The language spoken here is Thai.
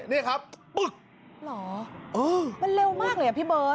นี่ครับปึ๊กเหรอมันเร็วมากเลยอ่ะพี่เบิร์ต